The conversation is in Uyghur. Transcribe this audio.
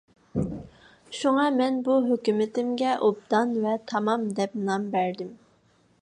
شۇڭا، مەن بۇ ھۆكمىتىمگە «ئوبدان ۋە تامام» دەپ نام بەردىم.